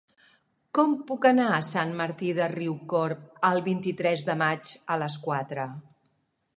Com puc anar a Sant Martí de Riucorb el vint-i-tres de maig a les quatre?